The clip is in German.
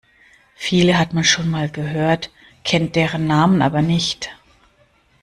Viele hat man schon mal gehört, kennt deren Namen aber nicht.